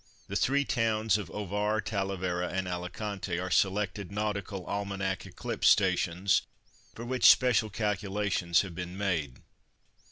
The three towns of Ovar, Talavera and Alicante are selected Nautical Almanac Eclipse stations, for which special calculations have been made.